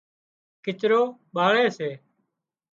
ڪچرو ٻاۯي سي